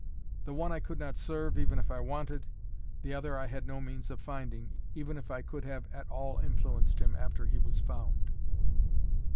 The one I could not serve, even if I wanted; the other I had no means of finding, even if I could have at all influenced him after he was found.